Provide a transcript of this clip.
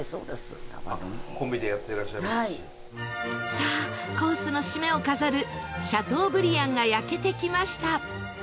さあコースの締めを飾るシャトーブリアンが焼けてきました。